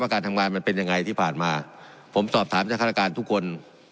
การทำงานมันเป็นยังไงที่ผ่านมาผมสอบถามจากฆาตการทุกคน